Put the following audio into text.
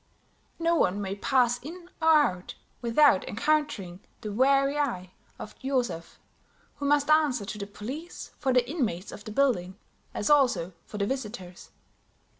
No one may pass in or out without encountering the wary eye of Joseph, who must answer to the police for the inmates of the building, as also for the visitors.